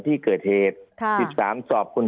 ภารกิจสรรค์ภารกิจสรรค์